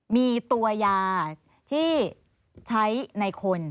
มีตัวยาที่ใช้ในคน